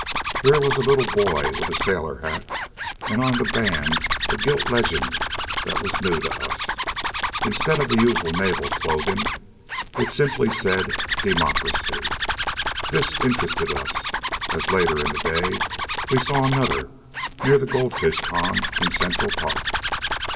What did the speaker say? Here was a little boy with a sailor hat, and on the band a gilt legend that was new to us. Instead of the usual naval slogan, it simply said Democracy. This interested us, as later in the day we saw another, near the goldfish pond in Central Park.